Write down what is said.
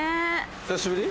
久しぶり？